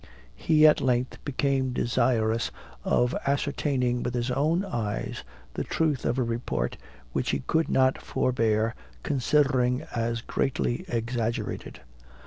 He, at length, became desirous of ascertaining with his own eyes, the truth of a report, which he could not forbear considering as greatly exaggerated.